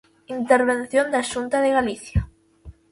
Intervención da Xunta de Galicia.